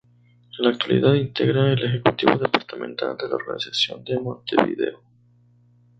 En la actualidad, integra el Ejecutivo Departamental de la organización en Montevideo.